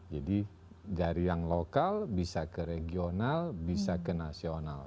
dari yang lokal bisa ke regional bisa ke nasional